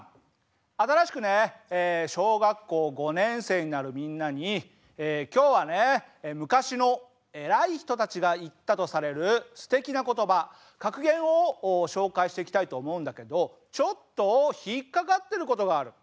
新しくね小学校５年生になるみんなに今日はね昔の偉い人たちが言ったとされるすてきな言葉格言を紹介していきたいと思うんだけどちょっと引っ掛かってることがある。